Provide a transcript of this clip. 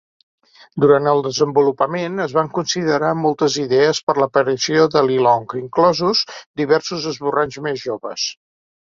Durant el desenvolupament, es van considerar moltes idees per l'aparició de Li Long, inclosos diversos esborranys més joves.